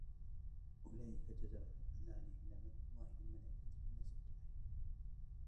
أولئك جزاؤهم أن عليهم لعنة الله والملائكة والناس أجمعين